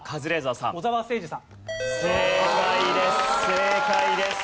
正解です。